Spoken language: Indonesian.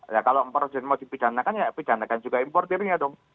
ya kalau presiden mau dipidanakan ya pidanakan juga importernya dong